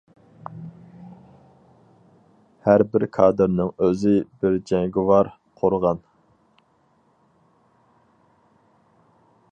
ھەر بىر كادىرنىڭ ئۆزى بىر جەڭگىۋار قورغان.